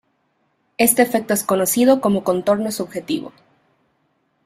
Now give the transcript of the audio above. Este efecto es conocido como contorno "subjetivo".